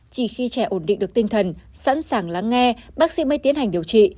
chỉ khi trẻ ổn định được tinh thần sẵn sàng lắng nghe bác sĩ mới tiến hành điều trị